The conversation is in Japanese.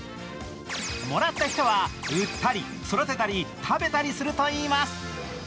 もらった人は売ったり、育てたり、食べたりするといいます。